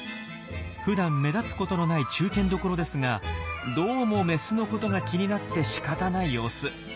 ふだん目立つことのない中堅どころですがどうもメスのことが気になってしかたない様子。